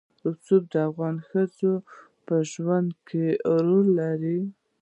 رسوب د افغان ښځو په ژوند کې رول لري.